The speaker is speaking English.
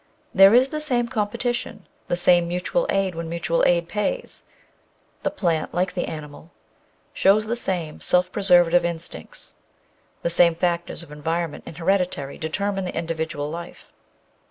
There is the same competi tion, the same mutual aid where mutual aid pays. The plant, like the animal, shows the same self preservative instincts; the same factors of environment and heredity determine the individual life.